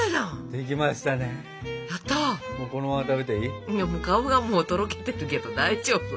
いやもう顔がもうとろけてるけど大丈夫？